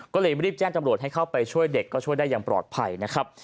ก็เลยรีบแจ้งจำรวจให้เข้าไปช่วยเด็กก็ช่วยได้อย่างปลอดภัยนะครับ